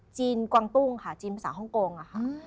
จีนกวังตุ้งค่ะจีนภาษาห้องโกงค่ะ